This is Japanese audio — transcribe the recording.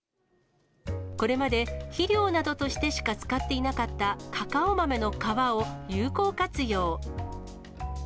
これまで、肥料などとしてしか使っていなかったカカオ豆の皮を有効活用。